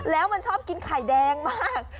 แล้วมันชอบกินไข่แดงมาก